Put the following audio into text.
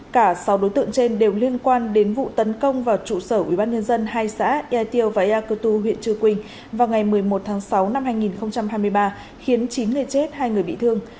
cả sáu đối tượng trên đều liên quan đến vụ tấn công vào trụ sở ubnd hai xã ea tiêu và ya cơ tu huyện chư quỳnh vào ngày một mươi một tháng sáu năm hai nghìn hai mươi ba khiến chín người chết hai người bị thương